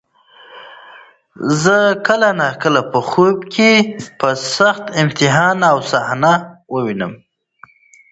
زه کله ناکله په خوب کې د سخت امتحان صحنه وینم.